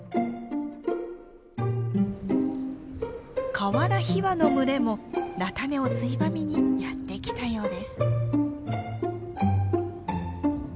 カワラヒワの群れも菜種をついばみにやって来たようです。